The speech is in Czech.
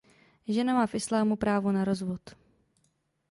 Žena má v islámu právo na rozvod.